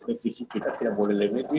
efisi kita tidak boleh lebih lebih